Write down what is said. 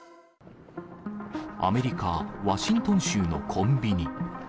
アメリカ・ワシントン州のコンビニ。